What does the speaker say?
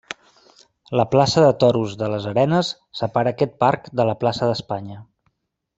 La plaça de toros de les Arenes separa aquest parc de la plaça d'Espanya.